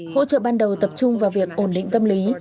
hỗ trợ ban đầu tập trung vào việc ổn định tâm lý